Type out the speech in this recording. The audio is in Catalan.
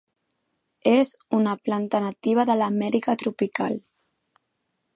És una planta nativa de l'Amèrica tropical.